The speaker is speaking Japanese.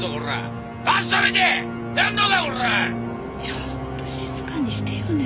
ちょっと静かにしてよね。